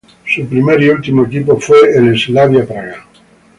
Su primer y último equipo fue el Slavia Praga.